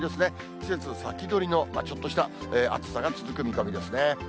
季節先取りの、ちょっとした暑さが続く見込みですね。